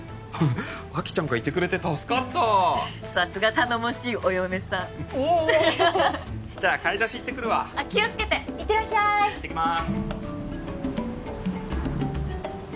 あきちゃんがいてくれて助かったさすが頼もしいお嫁さんいえいえじゃ買い出し行ってくるわ気をつけて行ってらっしゃい行ってきます